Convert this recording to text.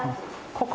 ここ。